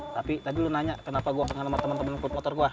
tapi tadi lo nanya kenapa gue kangen sama temen temen pemotor gue